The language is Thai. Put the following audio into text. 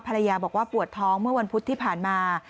ภรรยาบอกว่าปวดท้องเมื่อวันพุธที่ผ่านมา